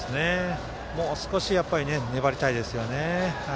もう少し粘りたいですよね。